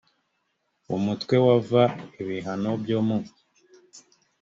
umutwe wa v ibihano byo mu